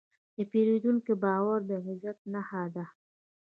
د پیرودونکي باور د عزت نښه ده.